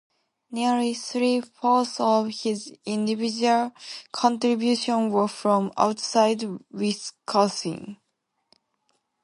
Nearly three-fourths of his individual contributions were from outside Wisconsin.